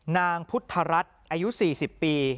นางพุทธรัฐอายุ๔๐ปี